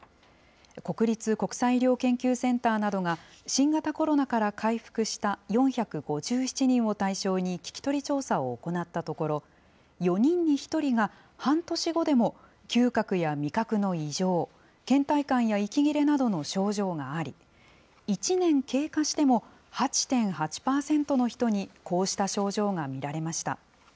国立国際医療研究センターなどが新型コロナから回復した４５７人を対象に、聞き取り調査を行ったところ、４人に１人が半年後でも嗅覚や味覚の異常、けん怠感や息切れなどの症状があり、１年経過しても、８．８％の人にこうした症状が見られました。